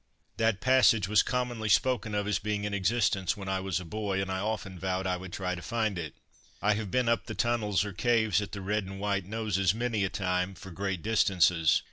That passage was commonly spoken of as being in existence when I was a boy, and I often vowed I would try to find it. I have been up the tunnels or caves at the Red and White Noses many a time for great distances.